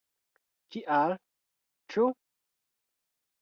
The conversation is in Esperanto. Kial, ĉu?